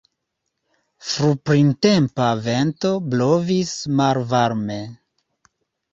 Fruprintempa vento blovis malvarme.